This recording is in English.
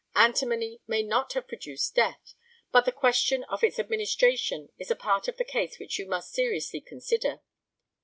Antimony may not have produced death, but the question of its administration is a part of the case which you must seriously consider.